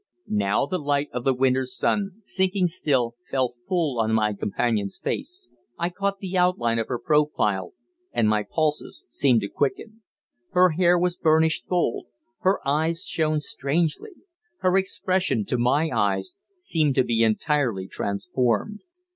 Now the light of the winter's sun, sinking still, fell full on my companion's face, I caught the outline of her profile, and my pulses seemed to quicken. Her hair was burnished gold. Her eyes shone strangely. Her expression, to my eyes, seemed to be entirely transformed.